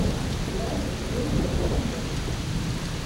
Уражваць ён вялікі майстар.